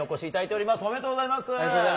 ありがとうございます。